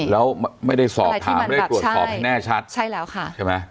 แล้วไม่ได้สอบถามไม่ได้ตรวจสอบให้แน่ชัดใช่แล้วค่ะใช่ไหม